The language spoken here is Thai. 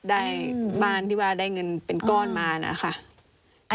ได้บ้านที่ว่าได้เงินเป็นก้อนมานะคะ